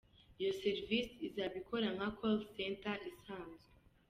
Iyo serivisi izaba ikora nka ‘Call Center’ isanzwe”.